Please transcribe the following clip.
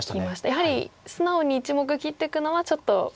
やはり素直に１目切っていくのはちょっと。